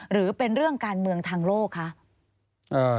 หรือเป็นเรื่องการเมืองทางโลกคะ